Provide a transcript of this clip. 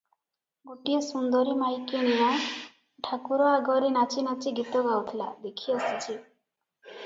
ଗୋଟିଏ ସୁନ୍ଦରୀ ମାଇକିନିଆ ଠାକୁର ଆଗରେ ନାଚି ନାଚି ଗୀତ ଗାଉଥିଲା, ଦେଖି ଆସିଛି ।